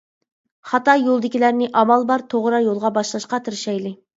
خاتا يولدىكىلەرنى ئامال بار توغرا يولغا باشلاشقا تىرىشايلى!